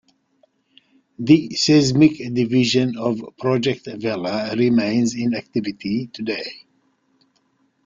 The seismic division of Project Vela remains in activity today.